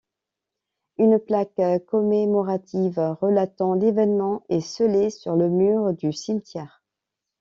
Une plaque commémorative relatant l’événement est scellée sur le mur du cimetière.